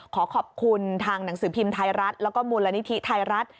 ขอขอบคุณทางหนังสือพิมพ์ไทยรัฐแล้วก็มูลนิธิไทยรัฐ